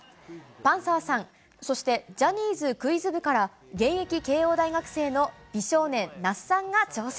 パンサーさん、そしてジャニーズクイズ部から、現役慶応大学生の美少年・那須さんが挑戦。